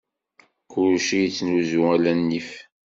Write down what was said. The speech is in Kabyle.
Kulci ittnuzu ala nnif.